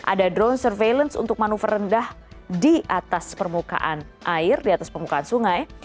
ada drone surveillance untuk manuver rendah di atas permukaan air di atas permukaan sungai